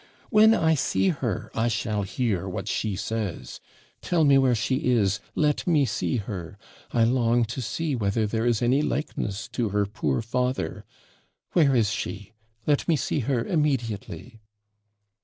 When I see her, I shall hear what she says. Tell me where she is, let me see her. I long to see whether there is any likeness to her poor father. Where is she? Let me see her immediately.'